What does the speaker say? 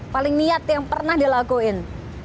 paling niat yang pernah dilakuin